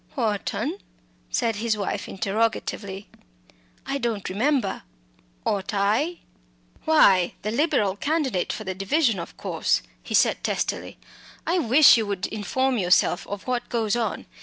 "Wharton?" said his wife, interrogatively. "I don't remember ought I?" "Why, the Liberal candidate for the division, of course," he said testily. "I wish you would inform yourself of what goes on.